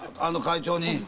あの会長に。